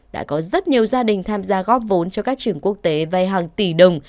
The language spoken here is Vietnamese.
đã có rất nhiều gia đình tham gia góp vốn cho các trường quốc tế vay hàng tỷ đồng